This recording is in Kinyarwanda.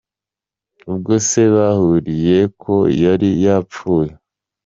Ubwo se bahuriyehe ko yari yapfuye?